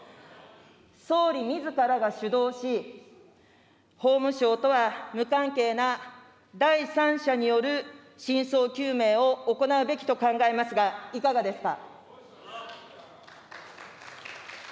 総理みずからが主導し、法務省とは無関係な第三者による真相究明を行うべきと考えますが、いかがですか。